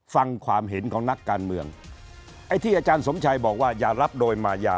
ฟังความเห็นของนักการเมืองไอ้ที่อาจารย์สมชัยบอกว่าอย่ารับโดยมายา